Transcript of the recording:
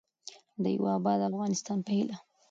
د یوه اباد افغانستان په هیله.